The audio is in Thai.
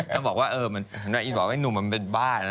ก็บอกว่านี่หนุ่มมันเป็นบ้า